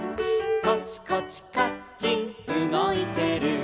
「コチコチカッチンうごいてる」